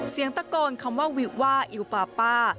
เสียงตะโกนคำว่าวิวว่าอิวปาป้า